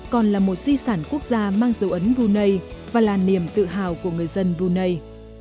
còn là một di sản quốc gia mang dấu ấn brunei và là niềm tự hào của người dân brunei